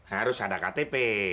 harus ada ktp